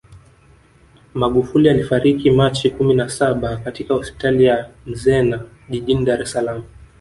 Magufuli alifariki Machi kumi na saba katika hospitali ya Mzena jijini Dar es Salaam